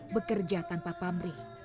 bekerja tanpa pamrih